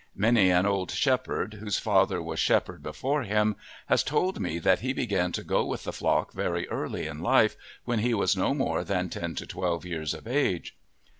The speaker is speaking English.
Many an old shepherd, whose father was shepherd before him, has told me that he began to go with the flock very early in life, when he was no more than ten to twelve years of age.